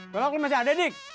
walau lo masih ada dik